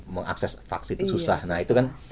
mengakses vaksin itu susah nah itu kan